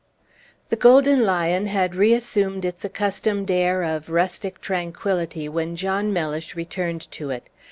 The Golden Lion had reassumed its accustomed air of rustic tranquillity when John Mellish returned to it.